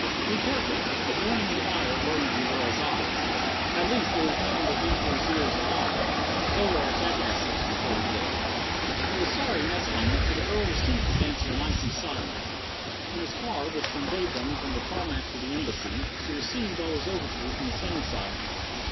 "Be careful!" A warning fire burned in the girl's eyes. "At least, it is known that the Emperor's ears are long." "So are a jackass's," retorted Dick. He was sorry next moment, for the girl received his answer in icy silence. In his car, which conveyed them from the tarmac to the Embassy, she received all his overtures in the same silence.